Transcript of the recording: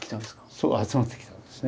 そう集まってきたんですね。